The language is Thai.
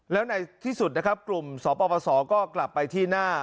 แล้วในที่สุดนะครับกลุ่มสปสก็กลับไปที่หน้า